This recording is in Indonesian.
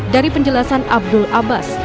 dari penjelasan abdul abbas